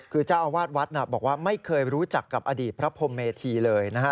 คือเจ้าอาวาสวัดบอกว่าไม่เคยรู้จักกับอดีตพระพรมเมธีเลยนะฮะ